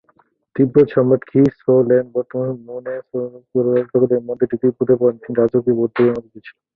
তিব্বত সম্রাট খ্রি-স্রোং-ল্দে-ব্ত্সান ও মু-নে-ব্ত্সান-পো র রাজত্বকালে এই মন্দিরটি তিব্বতের প্রধান তিনটি রাজকীয় বৌদ্ধবিহারের মধ্যে একটি ছিল।